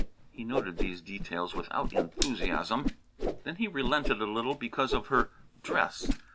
He noted these details without enthusiasm. Then he relented a little because of her dress.